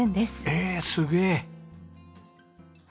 ええすげえ！